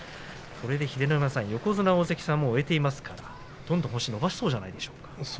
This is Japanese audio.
秀ノ山さん、横綱大関を終えていますからどんどん星を伸ばしそうじゃないですか。